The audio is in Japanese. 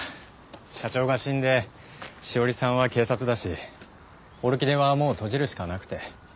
社長が死んで志桜里さんは警察だしオルキデはもう閉じるしかなくて。